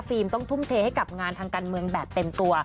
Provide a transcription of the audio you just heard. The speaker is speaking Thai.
ต้องทุ่มเทให้กับงานทางการเมืองแบบเต็มตัว